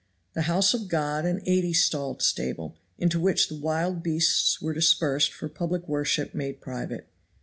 The house of God an eighty stalled stable, into which the wild beasts were dispersed for public worship made private.